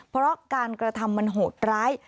เพราะการกระทำมันโหดร้าย